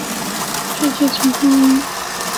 世界从何来？